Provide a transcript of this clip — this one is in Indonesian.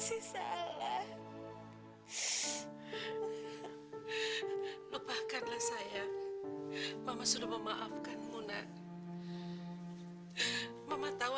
ini pasti perbuatan menantu mu